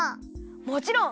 もちろん！